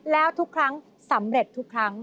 แล้วทุกครั้งสำเร็จทุกครั้ง